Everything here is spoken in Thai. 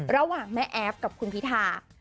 ระหว่างแม่แอฟกับคุณพิธา